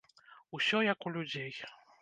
Усё як у людзей.